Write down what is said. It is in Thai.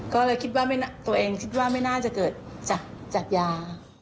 ก็เลยคิดว่าตัวเองคิดว่าไม่น่าจะเกิดจากยา